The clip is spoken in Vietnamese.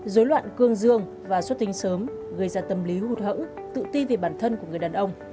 dối loạn cương dương và xuất tinh sớm gây ra tâm lý hụt hẫng tự ti về bản thân của người đàn ông